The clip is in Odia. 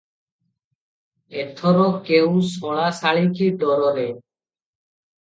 ଏଥର କେଉ ଶଳା ଶାଳୀକି ଡରରେ?